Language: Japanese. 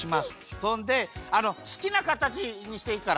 そんですきなかたちにしていいから。